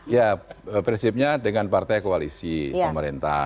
ya prinsipnya dengan partai koalisi pemerintah